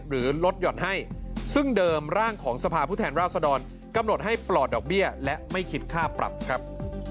หรือลดหย่อนให้ซึ่งเดิมร่างของสภาพผู้แทนราษฎรกำหนดให้ปลอดดอกเบี้ยและไม่คิดค่าปรับครับ